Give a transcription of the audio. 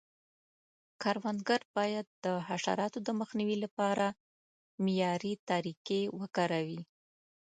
کروندګر باید د حشراتو د مخنیوي لپاره معیاري طریقې وکاروي.